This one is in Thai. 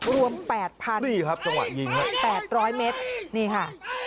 รวมแปดพันนี่ครับจังหวะยิงครับแปดร้อยเมตรนี่ค่ะ